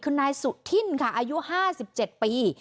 คือนายสุธินค่ะอายุ๕๗ปี